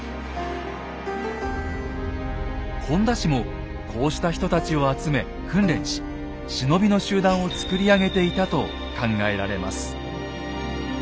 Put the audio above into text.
本田氏もこうした人たちを集め訓練し忍びの集団をつくり上げていたと考えられます。